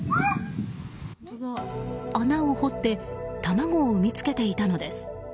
穴を掘って卵を産みつけていたのです。